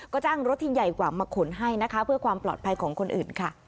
ก็จ้างรถที่ใหญ่กว่ามาขนให้นะคะเพื่อความปลอดภัยของคนอื่นค่ะ